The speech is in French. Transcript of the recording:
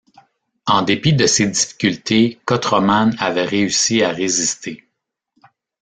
En dépit de ses difficultés, Kotroman avait réussi à résister.